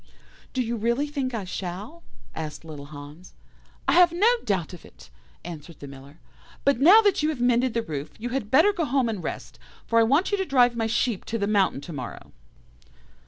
"'Do you really think I shall?' asked little Hans. "'I have no doubt of it,' answered the Miller, 'but now that you have mended the roof, you had better go home and rest, for I want you to drive my sheep to the mountain to morrow.